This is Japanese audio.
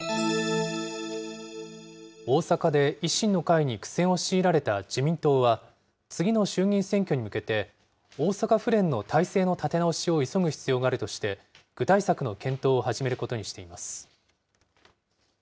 大阪で維新の会に苦戦を強いられた自民党は、次の衆議院選挙に向けて大阪府連の体制の立て直しを急ぐ必要があるとして、具体策の検討を始めることにしています。